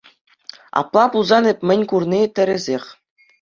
Апла пулсан эп мӗн курни – тӗрӗсех.